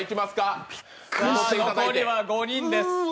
さあ、残りは５人です。